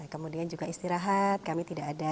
kemudian juga istirahat kami tidak ada